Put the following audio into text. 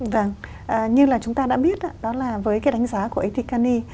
vâng như là chúng ta đã biết đó là với cái đánh giá của akicani